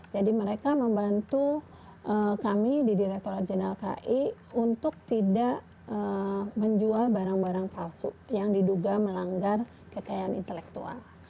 jadi mereka membantu kami di direkturat jeneral ki untuk tidak menjual barang barang palsu yang diduga melanggar kekayaan intelektual